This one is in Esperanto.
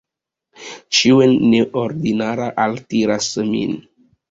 Ĉio neordinara altiras min.